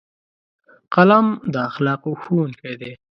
قلم د اخلاقو ښوونکی دی